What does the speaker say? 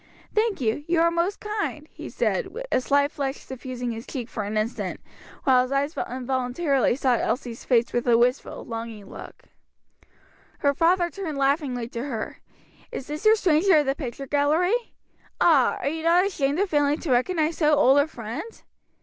"Thank you, you are most kind," he said, a slight flush suffusing his cheek for an instant, while his eyes involuntarily sought Elsie's face with a wistful, longing look. Her father turned laughingly to her. "Is this your stranger of the picture gallery? ah, are you not ashamed of failing to recognize so old a friend?"